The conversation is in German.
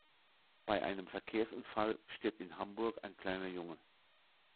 Bei einem Verkehrsunfall stirbt in Hamburg ein kleiner Junge.